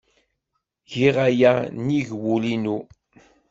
Giɣ aya nnig wul-inu!